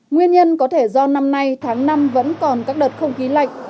nguyên nhân có thể do năm nay tháng năm vẫn còn các đợt không khí lạnh